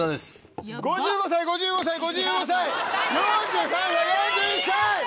５５歳５５歳５５歳４３歳４１歳。